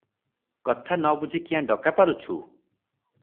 କଥା ନ ବୁଝି କ୍ୟାଁ ଡକା ପାରୁଛୁ?